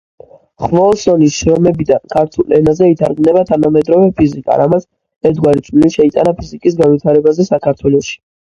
ხვოლსონის შრომებიდან ქართულ ენაზე ითარგმნა „თანამედროვე ფიზიკა“, რამაც ერთგვარი წვლილი შეიტანა ფიზიკის განვითარებაზე საქართველოში.